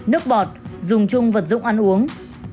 nước bọt dùng chung vật dụng ăn uống